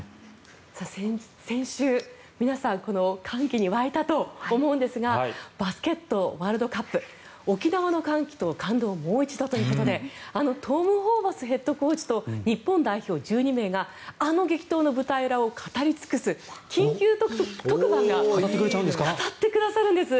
先週、皆さん歓喜に沸いたと思うんですがバスケットワールドカップ沖縄の歓喜と感動をもう一度ということであのトム・ホーバスヘッドコーチと日本代表１２名があの激闘の舞台裏を語り尽くす語ってくれるんですか？